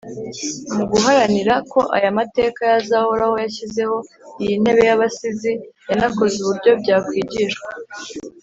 Mu guharanira ko aya mateka yazahoraho yashyizeho iyi ntebe y’abasizi, yanakoze uburyo byakwigishwa.